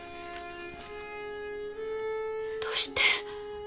どうして？